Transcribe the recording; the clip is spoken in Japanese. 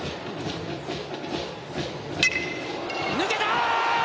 抜けた！